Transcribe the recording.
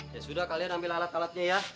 ya sudah kalian ambil alat alatnya ya